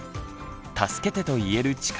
「助けて」と言える力